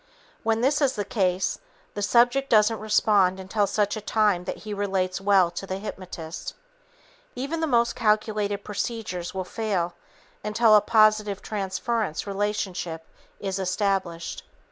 When this is the case, the subject doesn't respond until such time that he relates well to the hypnotist. Even the most calculated procedures will fail until a positive transference relationship is established.